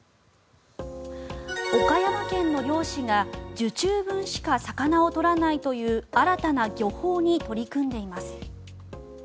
岡山県の漁師が受注分しか魚を取らないという新たな漁法に取り組んでいます。